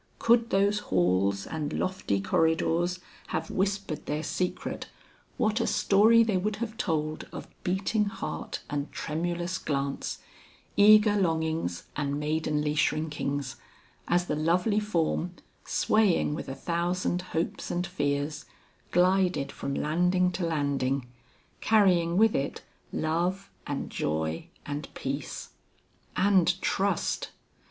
Could those halls and lofty corridors have whispered their secret, what a story they would have told of beating heart and tremulous glance, eager longings, and maidenly shrinkings, as the lovely form, swaying with a thousand hopes and fears, glided from landing to landing, carrying with it love and joy and peace. And trust!